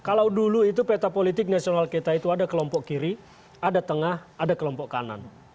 kalau dulu itu peta politik nasional kita itu ada kelompok kiri ada tengah ada kelompok kanan